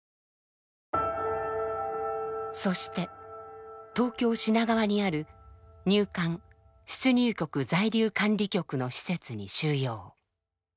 そして東京・品川にある入管出入国在留管理局の施設に収容。